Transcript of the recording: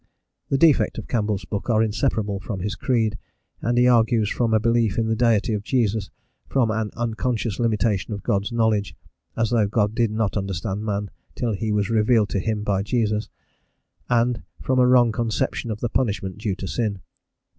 The defects of Campbell's book are inseparable from his creed, as he argues from a belief in the deity of Jesus, from an unconscious limitation of God's knowledge (as though God did not understand man till he was revealed to him by Jesus) and from a wrong conception of the punishment due to sin.